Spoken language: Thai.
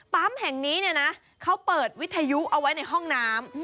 ปั๊มแห่งนี้เขาเปิดวิทยุเอาไว้ในห้องน้ำ